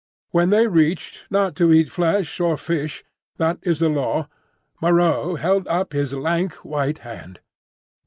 When they reached, "Not to eat Flesh or Fish, that is the Law," Moreau held up his lank white hand.